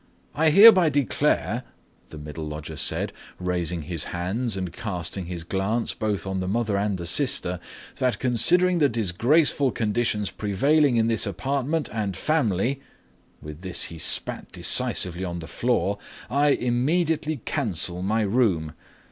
"I hereby declare," the middle lodger said, raising his hand and casting his glance both on the mother and the sister, "that considering the disgraceful conditions prevailing in this apartment and family"—with this he spat decisively on the floor—"I immediately cancel my room.